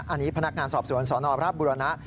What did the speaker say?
อันนี้พนักงานสอบสวนสนพระบุรณะ